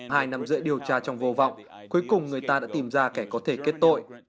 hai năm rưỡi điều tra trong vô vọng cuối cùng người ta đã tìm ra kẻ có thể kết tội